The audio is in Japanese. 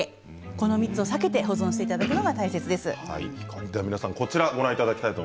この３つを避けて保存していただくのが大切です。